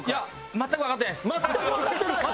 「全くわかってない」。